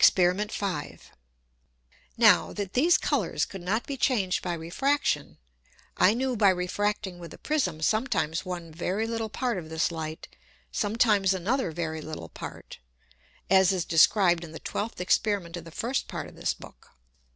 Exper. 5. Now, that these Colours could not be changed by Refraction, I knew by refracting with a Prism sometimes one very little Part of this Light, sometimes another very little Part, as is described in the twelfth Experiment of the first Part of this Book.